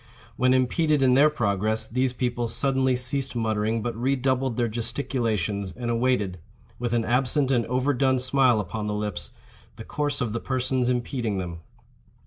When impeded in their progress, these people suddenly ceased muttering, but re doubled their gesticulations, and awaited, with an absent and overdone smile upon the lips, the course of the persons impeding them.